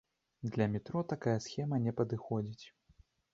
Для метро такая схема не падыходзіць.